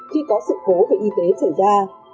khi có sự cố về y tế xảy ra